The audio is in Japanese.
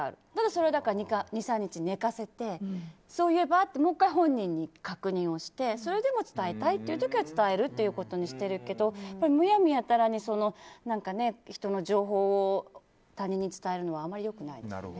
それは２３日寝かせてそういえばってもう１回本人に確認をしてそれでも伝えたいという時は伝えることにしてるけどむやみやたらに人の情報を他人に伝えるのはあまり良くないですよね。